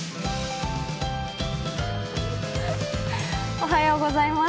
おはようございます。